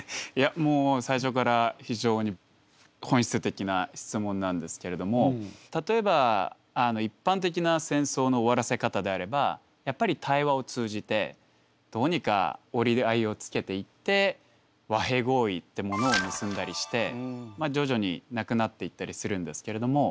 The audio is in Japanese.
もう最初から非常に本質的な質問なんですけれども例えば一般的な戦争の終わらせ方であればやっぱり対話を通じてどうにか折り合いをつけていって和平合意ってものを結んだりしてまあ徐々になくなっていったりするんですけれども。